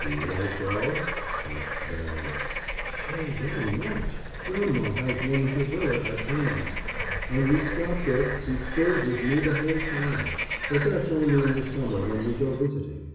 "Do you like dogs?" asked the baron. "Oh, very much. Grandma has one in her villa at Bains. When we stop there he stays with me the whole time. But that's only in the summer when we go visiting."